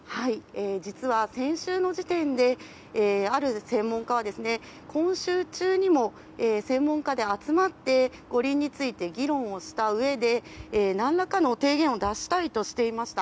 実は、先週の時点である専門家は今週中にも専門家で集まって五輪について議論をしたうえで何らかの提言を出したいとしていました。